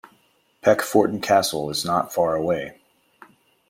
Peckforton Castle is not far away.